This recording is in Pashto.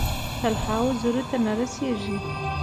سل هاوو زرو ته رسیږي.